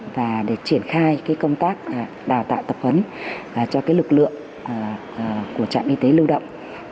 và để triển khai công tác đào tạo tập huấn cho lực lượng của trạm y tế lưu động